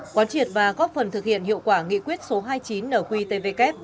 quán triệt và góp phần thực hiện hiệu quả nghị quyết số hai mươi chín nqtvk